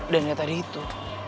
dan yang tadi itu